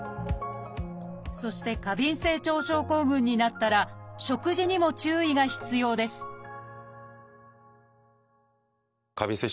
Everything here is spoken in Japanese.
そして過敏性腸症候群になったら食事にも注意が必要です